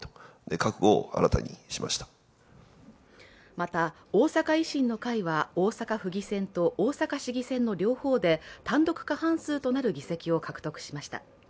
また、大阪維新の会は大阪府議選と大阪市議選の両方で単独過半数となる議席を獲得しました。